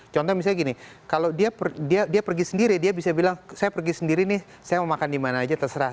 contoh misalnya gini kalau dia pergi sendiri dia bisa bilang saya pergi sendiri nih saya mau makan dimana aja terserah